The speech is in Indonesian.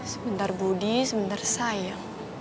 sebentar budi sebentar sayang